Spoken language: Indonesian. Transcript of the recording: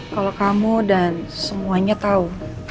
kalau kamu dan semuanya tahu